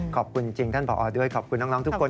ขอบคุณจริงท่านผอด้วยขอบคุณน้องทุกคน